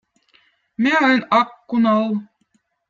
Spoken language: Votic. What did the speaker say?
miä õõn akkunall